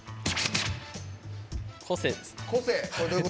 個性です。